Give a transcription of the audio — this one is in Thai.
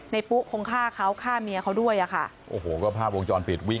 ปุ๊คงฆ่าเขาฆ่าเมียเขาด้วยอ่ะค่ะโอ้โหก็ภาพวงจรปิดวิ่ง